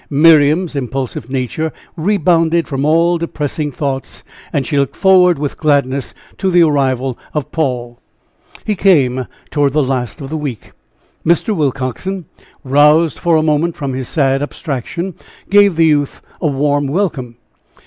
Miriam's impulsive nature rebounded from all depressing thoughts, and she looked forward with gladness to the arrival of Paul. He came toward the last of the week. Mr. Willcoxen, roused for a moment from his sad abstraction, gave the youth a warm welcome.